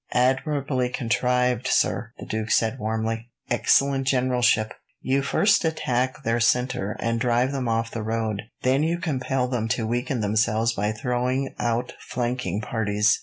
"Admirably contrived, sir!" the duke said warmly. "Excellent generalship! You first attack their centre and drive them off the road, then you compel them to weaken themselves by throwing out flanking parties.